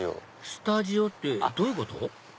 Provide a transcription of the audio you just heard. スタジオってどういうこと？